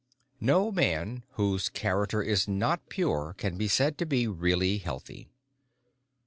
No man whose character is not pure can be said to be really healthy.